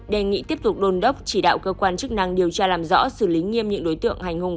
đề nghị tiếp tục đôn đốc chỉ đạo cơ quan chức năng điều tra làm rõ xử lý nghiêm những đối tượng hành hùng